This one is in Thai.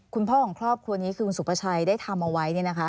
คุณพ่อของครอบครัวนี้คือคุณสุประชัยได้ทำเอาไว้